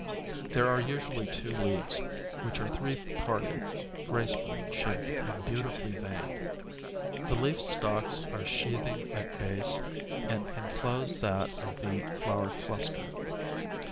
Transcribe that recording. There are usually two leaves, which are three parted, graceful in shape and beautifully veined. The leaf stalks are sheathing at base and enclose that of the flower cluster.